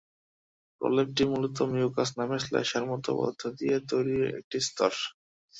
প্রলেপটি মূলত মিউকাস নামের শ্লেষ্মার মতো পদার্থ দিয়ে তৈরি একটি স্তর।